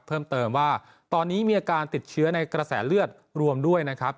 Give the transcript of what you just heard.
เพิ่มเติมว่าตอนนี้มีอาการติดเชื้อในกระแสเลือดรวมด้วยนะครับ